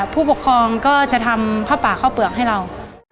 ผู้ปกครองก็จะทำผ้าป่าข้าวเปลือกให้เรา